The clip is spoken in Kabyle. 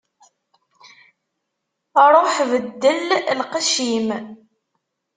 Ṛuḥ beddel lqecc-im.